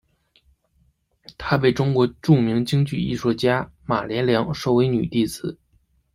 她被中国著名京剧艺术家马连良收为女弟子。